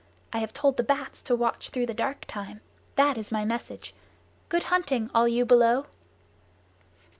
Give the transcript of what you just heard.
I have told the bats to watch through the dark time. That is my message. Good hunting, all you below!"